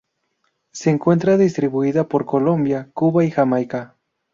Se encuentra distribuida por Colombia, Cuba y Jamaica.